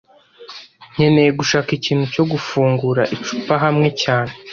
Nkeneye gushaka ikintu cyo gufungura icupa hamwe cyane